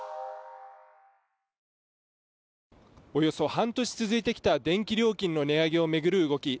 およそ半年続いてきた電気料金の値上げを巡る動き。